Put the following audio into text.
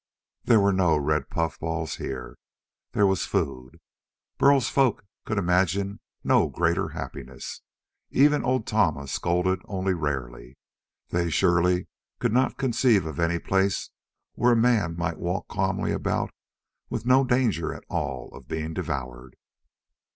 There were no red puffballs here. There was food. Burl's folk could imagine no greater happiness. Even old Tama scolded only rarely. They surely could not conceive of any place where a man might walk calmly about with no danger at all of being devoured.